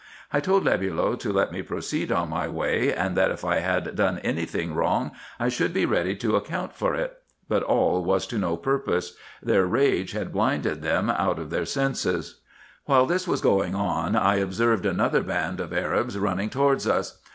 I told Lebulo to let me proceed on my way, and that if I had done any thing wrong, I should be ready to account for it ; but all was to no purpose. Their rage had blinded them out of their senses. While this was going on, I observed another band of Arabs running towards us.